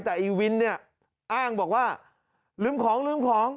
แต่อีวินเนี่ยอ้างบอกว่าลืมของ